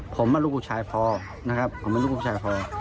ผมลูกผู้ชายพอนะครับผมเป็นลูกผู้ชายพอ